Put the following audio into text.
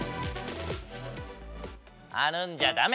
あるんじゃだめ！